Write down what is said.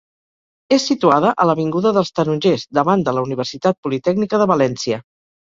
És situada a l'avinguda dels Tarongers, davant de la Universitat Politècnica de València.